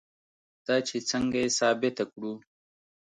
دا چې څنګه یې ثابته کړو.